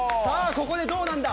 ここでどうなんだ？